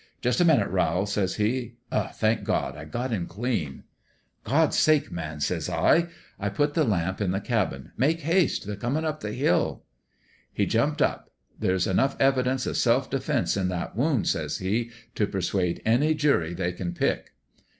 ' Just a minute, Rowl,' says he. * Thank God ! I got him clean !'"' God's sake, man !' says I. I put the lamp in the cabin. 'Make haste; they're comin' up the hill.' " He jumped up. ' There's enough evidence of self defense in that wound,' says he, ' to per suade any jury they can pick.'